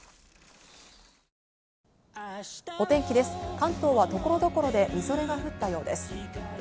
関東は所々でみぞれが降ったようです。